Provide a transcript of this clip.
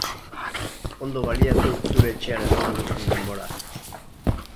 Ondo baliatu zure etxean emango duzun denbora.